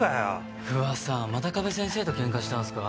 不破さんまた加部先生とケンカしたんすか？